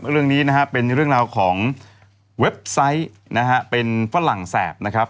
เรื่องนี้เป็นเรื่องของเว็บไซต์เป็นฝรั่งแสบนะครับ